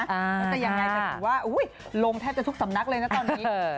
แต่ยังไงถึงว่าโห้ยลงแทบจะทุกสำนักเลยนะตอนนี้